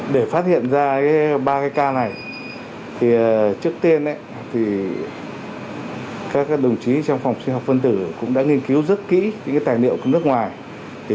để phát hiện ra ba ca này trước tiên các đồng chí trong phòng sinh học phân tử cũng đã nghiên cứu rất kỹ những tài liệu của nước ngoài